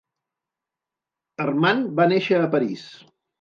Armand va néixer a París.